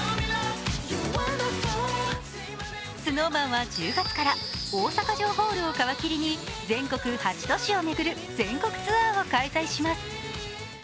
ＳｎｏｗＭａｎは１０月から大阪城ホールを皮切りに全国８都市を巡る全国ツアーを開催します。